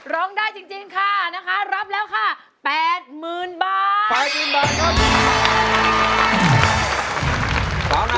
ร้องได้จริงนะค่ะรับแล้วค่ะ๘๐๐๐๐บาท